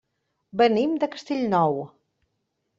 Venim de Castellnou.